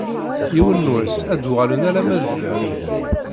Yiwen n wass ad d-uɣalen alamma d da.